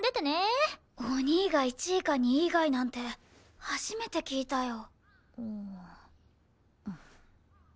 お兄が１位か２位以外なんて初めて聞いたよ。